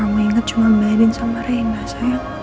yang kamu inget cuma bedin sama reina sayang